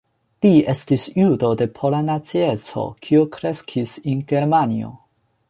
Li estis judo de pola nacieco kiu kreskis en Germanio.